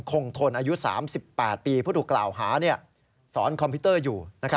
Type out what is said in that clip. คงทนอายุ๓๘ปีผู้ถูกกล่าวหาสอนคอมพิวเตอร์อยู่